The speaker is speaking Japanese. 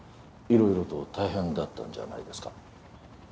いろいろと大変だったんじゃないですか。